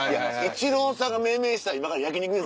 イチローさんが命名した今から焼肉です。